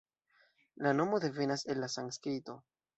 La nomo devenas el la sanskrito.